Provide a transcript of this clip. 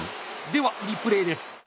ではリプレーです。